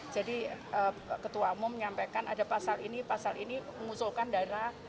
jadi ketua umum menyampaikan ada pasal ini pasal ini mengusulkan daerah